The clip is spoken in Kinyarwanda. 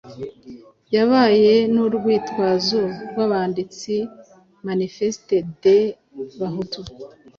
Yabaye n'urwitwazo rw'abanditse "Manifeste des Bahutu".